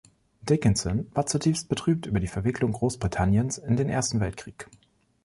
Dickinson war zutiefst betrübt über die Verwicklung Großbritanniens in den Ersten Weltkrieg.